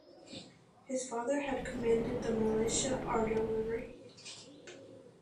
His father had commanded the Militia Artillery.